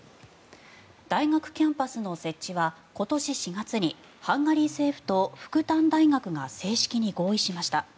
大学キャンパスの設置は今年４月にハンガリー政府と復旦大学が正式に合意しました。